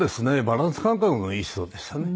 バランス感覚のいい人でしたね。